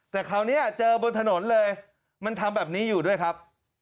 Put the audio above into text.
แต่คราวนี้เจอบนถนนเลยมันทำแบบนี้อยู่ด้วยครับ